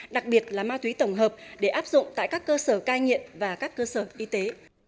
đặc biệt là ma túy tổng hợp để áp dụng tại các cơ sở cai nghiện và các cơ sở y tế